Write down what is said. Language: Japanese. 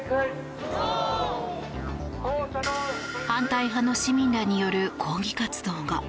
反対派の市民らによる抗議活動が。